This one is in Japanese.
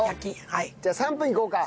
じゃあ３分いこうか。